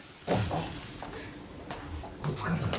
お疲れさん。